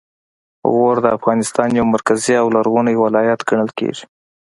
غور د افغانستان یو مرکزي او لرغونی ولایت ګڼل کیږي